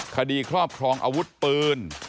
คดีครอบครองอาวุธปืน